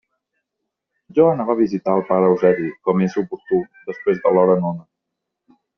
Jo anava a visitar el pare Eusebi, com és oportú, després de l'hora nona.